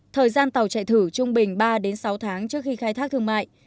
thời gian tàu chạy thử trung bình ba sáu tháng trước khi khai thác thương mại